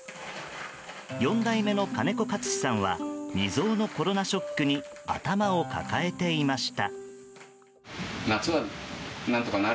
４代目の金子克さんは未曽有のコロナショックに頭を抱えていました。